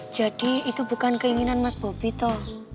jadi itu bukan keinginan mas bobby toh